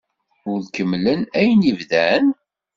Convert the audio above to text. Ad kemmlen ayen i d-bdan?